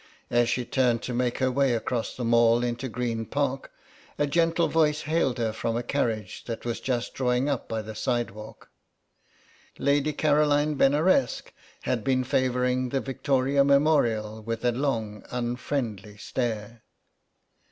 As she turned to make her way across the Mall into the Green Park a gentle voice hailed her from a carriage that was just drawing up by the sidewalk. Lady Caroline Benaresq had been favouring the Victoria Memorial with a long unfriendly stare.